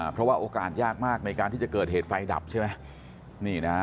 เพราะว่าโอกาสยากมากในการที่จะเกิดเหตุไฟดับใช่ไหม